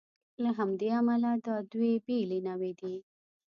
له همدې امله دا دوې بېلې نوعې دي.